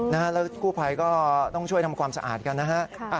แล้วกู้ภัยก็ต้องช่วยทำความสะอาดกันนะฮะ